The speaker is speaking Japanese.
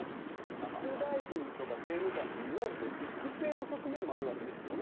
副大臣とか政務官っていわゆる育成の側面もあるわけですよね。